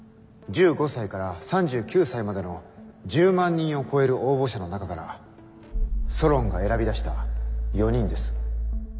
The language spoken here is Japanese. １５才から３９才までの１０万人を超える応募者の中からソロンが選び出した４人です。